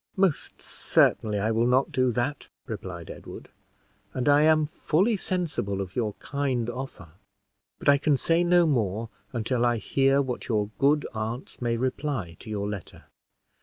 "Most certainly I will not do that," replied Edward; "and I am fully sensible of your kind offer; but I can say no more until I hear what your good aunts may reply to your letter.